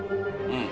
うん。